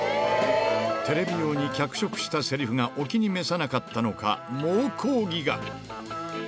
テレビ用に脚色したせりふがお気に召さなかったのか、猛抗議が。